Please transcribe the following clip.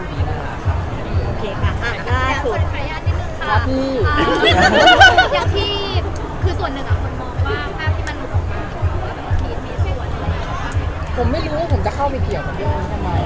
ส่วนหนึ่งมันมองว่าภาพที่มันหลุดออกมา